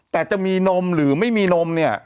แต่จะมีนมหรือไม่มีนมเนี่ย